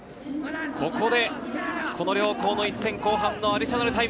ここで、この両校の一戦、後半のアディショナルタイム。